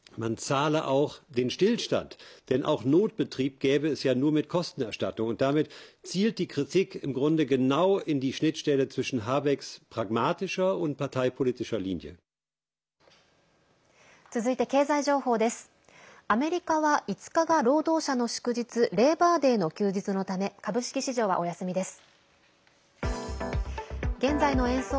アメリカは５日が労働者の祝日レーバーデーの休日のため株式市場はお休みです。